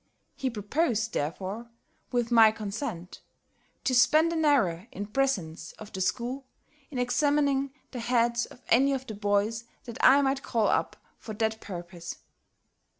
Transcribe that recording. He proposed, therefore, with my consent, to spend an hour, in presence of the school, in examining the heads of any of the boys that I might call up for that purpose.